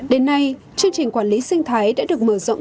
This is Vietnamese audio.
đến nay chương trình quản lý sinh thái đã được mở rộng